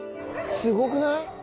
すごくない？